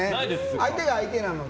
相手が相手なので。